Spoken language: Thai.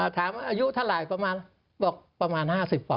และหลายคนเขาก็บอกหลุงโดนแล้วล่ะ